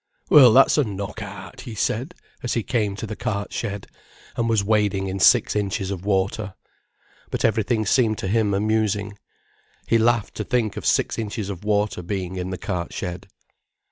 "Well, that's a knock out," he said, as he came to the cart shed, and was wading in six inches of water. But everything seemed to him amusing. He laughed to think of six inches of water being in the cart shed.